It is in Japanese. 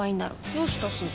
どうしたすず？